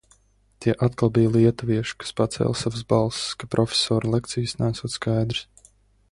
Tie atkal bija lietuvieši, kas pacēla savas balsis, ka profesora lekcijas neesot skaidras.